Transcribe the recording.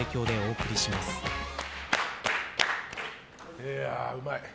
いやー、うまい。